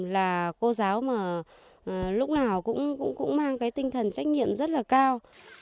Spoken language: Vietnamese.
là cô giáo mà lúc nào cũng mang cái tinh thần trách nhiệm rất là cao